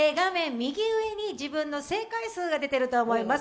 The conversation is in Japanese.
右上に自分の正解数が出ていると思います。